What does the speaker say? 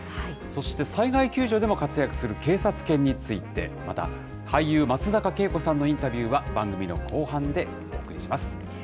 そして災害救助でも活躍する警察犬について、また俳優、松坂慶子さんのインタビューは、番組の後半でお送りします。